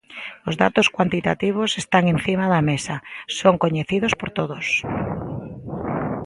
Os datos cuantitativos están encima da mesa, son coñecidos por todos.